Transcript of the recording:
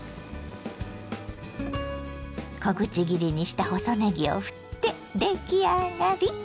小口切りにした細ねぎをふって出来上がり。